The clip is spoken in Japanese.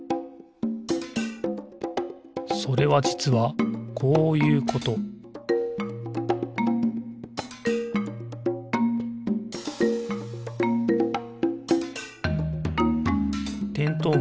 それはじつはこういうことてんとう